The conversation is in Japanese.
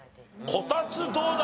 こたつどうだ？